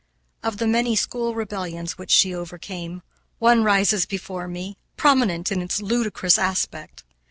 Of the many school rebellions which she overcame, one rises before me, prominent in its ludicrous aspect.